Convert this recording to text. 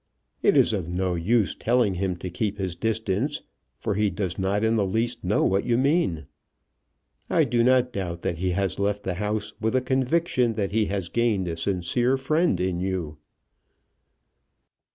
It is of no use telling him to keep his distance, for he does not in the least know what you mean. I do not doubt that he has left the house with a conviction that he has gained a sincere friend in you."